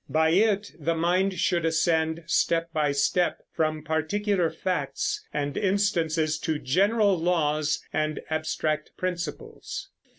By it the mind should ascend step by step from particular facts and instances to general laws and abstract principles.